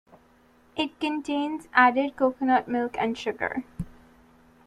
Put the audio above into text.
It contains added coconut milk and sugar.